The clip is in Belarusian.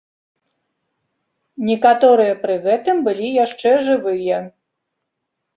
Некаторыя пры гэтым былі яшчэ жывыя.